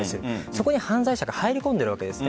そこに犯罪者が入り込んでいるんです。